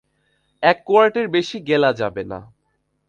এক কোয়ার্টের বেশি গেলা যাবে না।